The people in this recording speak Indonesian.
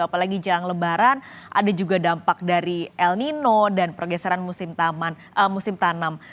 apalagi jelang lebaran ada juga dampak dari el nino dan pergeseran musim tanam